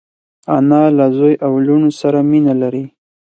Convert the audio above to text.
انا له زوی او لوڼو سره مینه لري